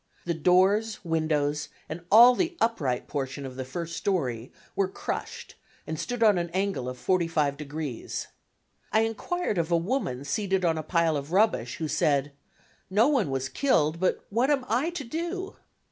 The doors, windows and all the upright portion of the first story, were crushed and stood on an angle of 45°. I enquired of a woman seated on a pile of rubbish, who said "no one was killed, but what am I to do?"